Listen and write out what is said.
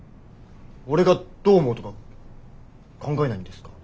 俺がどう思うとか考えないんですか？